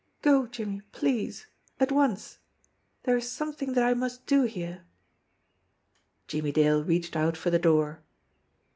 "Go, Jimmie, please at once. There is something that I must do here." Jimmie Dale reached out for the door.